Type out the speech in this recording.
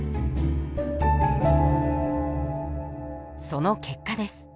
その結果です。